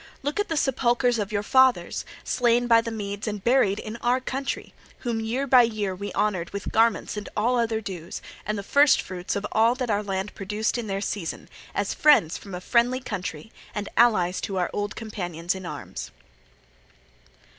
Look at the sepulchres of your fathers, slain by the Medes and buried in our country, whom year by year we honoured with garments and all other dues, and the first fruits of all that our land produced in their season, as friends from a friendly country and allies to our old companions in arms.